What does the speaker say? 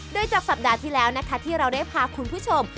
โดยจากสัปดาห์ที่แล้วนะคะที่เราได้พาคุณผู้ชม